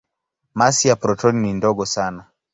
Masi ya protoni ni ndogo sana.